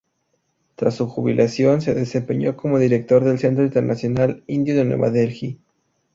Tras su jubilación, se desempeñó como Director del Centro Internacional Indio de Nueva Delhi.